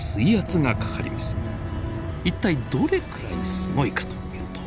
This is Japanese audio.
一体どれくらいすごいかというと。